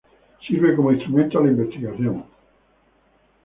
Sirve como instrumento a la investigación.